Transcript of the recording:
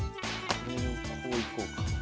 こういこうか。